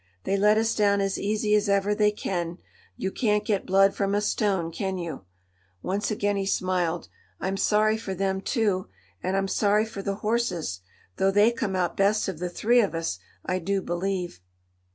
They let us down as easy as ever they can; you can't get blood from a stone, can you?" Once again he smiled. "I'm sorry for them, too, and I'm sorry for the horses, though they come out best of the three of us, I do believe."